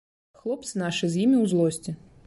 Хлопцы нашы з імі ў злосці.